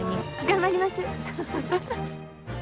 頑張ります。